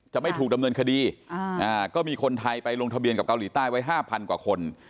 ไม่ถูกดำเนินคดีก็มีคนไทยไปลงทะเบียนกับเกาหลีใต้ไว้๕๐๐กว่าคน